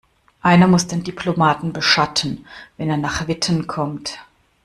Einer muss den Diplomaten beschatten, wenn er nach Witten kommt.